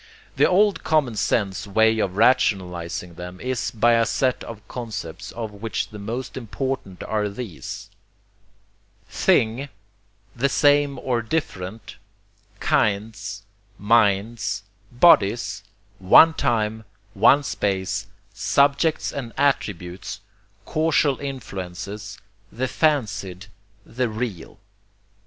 The old common sense way of rationalizing them is by a set of concepts of which the most important are these: Thing; The same or different; Kinds; Minds; Bodies; One Time; One Space; Subjects and attributes; Causal influences; The fancied; The real.